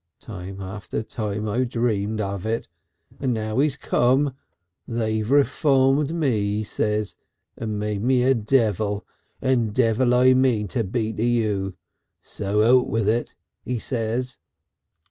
Time after time, I've dreamt of it, and now he's come. 'They've Reformed me,' he says, 'and made me a devil, and devil I mean to be to you. So out with it,' he says."